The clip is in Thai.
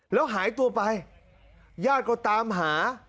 แล้วหายตัวไปญาติก็ตามหา